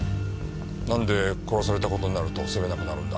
なんで殺された事になると住めなくなるんだ？